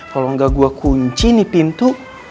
kalau enggak gue kunci nih pintu